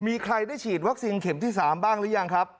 มีใครได้ฉีดวัคซีนเข็มที่๓บ้างหรือยังครับ